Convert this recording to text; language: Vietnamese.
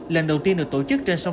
lần đầu tiên được tổ chức trên sông